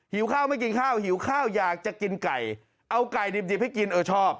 ข้าวไม่กินข้าวหิวข้าวอยากจะกินไก่เอาไก่ดิบให้กินเออชอบ